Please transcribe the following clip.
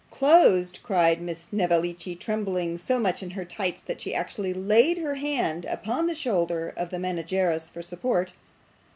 'Closed!' cried Miss Snevellicci, trembling so much in her tights that she actually laid her hand upon the shoulder of the manageress for support.